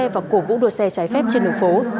và cổ vũ đua xe trái phép trên đường phố